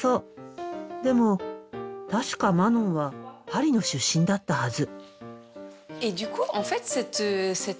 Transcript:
でも確かマノンはパリの出身だったはず。